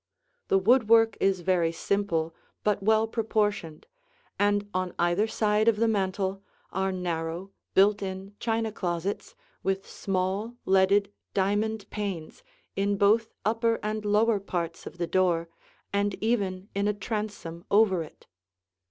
The woodwork is very simple but well proportioned, and on either side of the mantel are narrow, built in, china closets with small, leaded, diamond panes in both upper and lower parts of the door and even in a transom over it.